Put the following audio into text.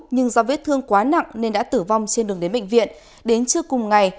nhưng do vết thương quá nặng nên đã tử vong trên đường đến bệnh viện đến trưa cùng ngày